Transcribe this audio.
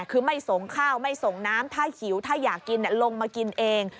คือไม่ส่งข้าวไม่ส่งน้ำถ้าหิวถ้าอยากกินลงมากินเอง